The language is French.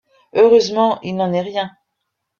Heureusement il n'en est rien.